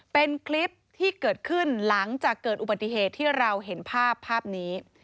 เป็นคลิปที่เกิดขึ้นหลังจากเกิดอุบัติเหตุที่เราเห็นภาพภาพนี้